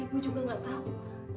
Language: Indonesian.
ibu juga gak tau